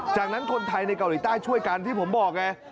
จากนั้นคนไทยในเกาหลีใต้ช่วยกันที่ผมบอกไง